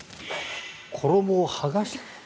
衣を剥がして。